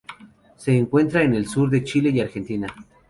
Se encuentra en el sur de Chile y Argentina.